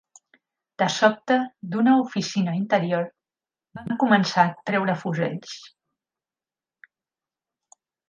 De sobte, d'una oficina interior, van començar a treure fusells